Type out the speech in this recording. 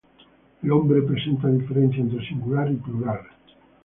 El nombre presenta diferencia entre singular y plural.